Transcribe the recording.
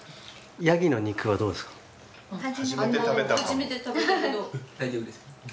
ヤギの肉はどうですか？